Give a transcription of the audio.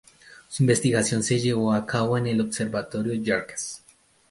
Su investigación se llevó a cabo en el Observatorio Yerkes.